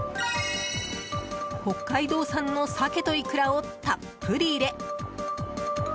北海道産のサケとイクラをたっぷり入れ